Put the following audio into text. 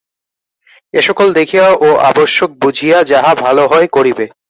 এসকল দেখিয়া ও আবশ্যক বুঝিয়া যাহা ভাল হয় করিবে।